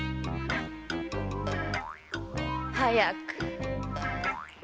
早く。